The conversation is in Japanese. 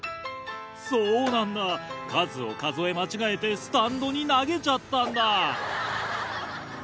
そうなんだ数を数え間違えてスタンドに投げちゃったんだ。